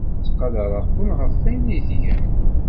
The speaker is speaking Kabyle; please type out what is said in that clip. Ttqadareɣ-ken ɣef wayen ay tgam.